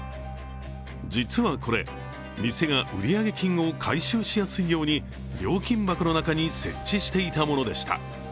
実はこれ、店が売上金を回収しやすいように料金箱の中に設置していたものでした。